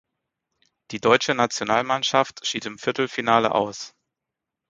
Die deutsche Nationalmannschaft schied im Viertelfinale aus.